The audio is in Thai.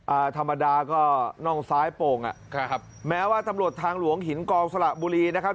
อ่าธรรมดาก็น่องซ้ายโป่งอ่ะครับแม้ว่าตำรวจทางหลวงหินกองสละบุรีนะครับ